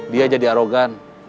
dia jadi arogan